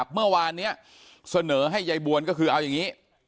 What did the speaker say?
เมื่อวานนี้เสนอให้ยายบวนก็คือเอาอย่างนี้